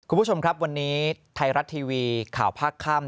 คุณผู้ชมครับวันนี้ไทยรัฐทีวีข่าวภาคค่ำ